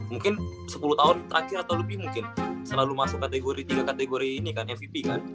mungkin sepuluh tahun terakhir atau lebih mungkin selalu masuk kategori tiga kategori ini kan mvp kan